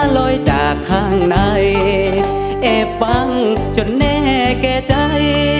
ลอยจากข้างในแอบฟังจนแน่แก่ใจ